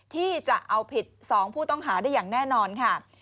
ที่จะเอาผิด๒ผู้ต้องหาได้อย่างแน่นอนค่ะ